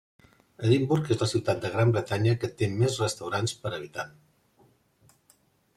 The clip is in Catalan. Edimburg és la ciutat de Gran Bretanya que té més restaurants per habitant.